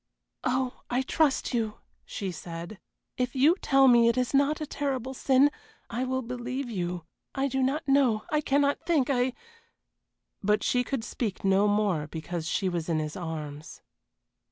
"Oh, I trust you!" she said. "If you tell me it is not a terrible sin I will believe you I do not know I cannot think I " But she could speak no more because she was in his arms.